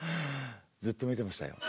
ずっと見てましたよ。